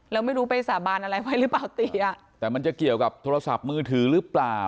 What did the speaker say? แล้วไม่รู้ไปสาบานอะไรไว้หรือเปล่าตีอ่ะแต่มันจะเกี่ยวกับโทรศัพท์มือถือหรือเปล่า